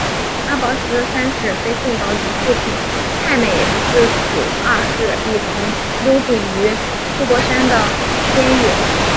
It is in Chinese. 阿拔斯三世被送到与父亲太美斯普二世一同幽禁于呼罗珊的监狱。